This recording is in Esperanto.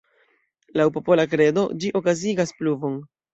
Laŭ popola kredo, ĝi okazigas pluvon.